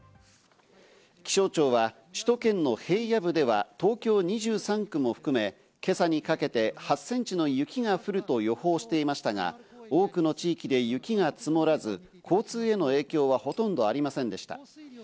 気象庁は首都圏の平野部では東京２３区も含め、今朝にかけて８センチの雪が降ると予報していましたが、多くの地域で雪が積もらず、交通への影響はほとんどありませんでした。